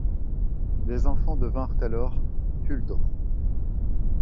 Les enfants devinrent alors huldres.